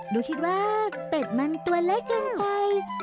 ดูคิดว่าเป็ดมันตัวเล็กเกินไป